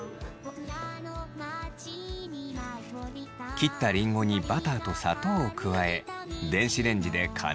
切ったリンゴにバターと砂糖を加え電子レンジで加熱。